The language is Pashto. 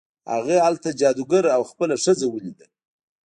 هغه هلته جادوګر او خپله ښځه ولیدل.